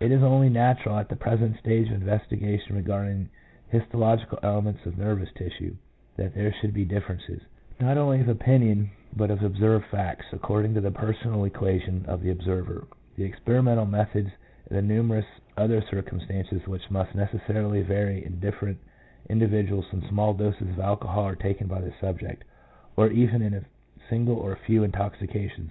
It is only natural at the present stage of investiga tion regarding histological elements of nervous tissue, that there should be differences, not only of opinion, but of observed facts, according to the personal equa tion of the observer, the experimental methods, and the numerous other circumstances which must neces sarily vary in different individuals when small doses of alcohol are taken by the subject, or even in a single or few intoxications.